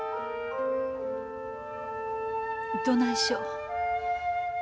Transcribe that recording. どないしょ。